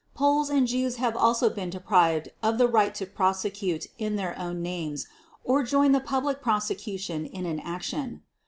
Poles and Jews have also been deprived of the right to prosecute in their own names or join the public prosecution in an action